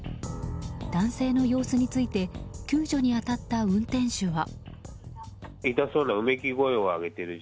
男性の様子について救助に当たった運転手は。